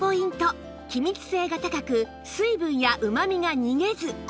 気密性が高く水分やうまみが逃げず